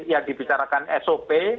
yang dibicarakan sop